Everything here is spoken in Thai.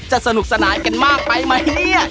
จะสนุกสนายกันมากไปมั้ยเนี่ย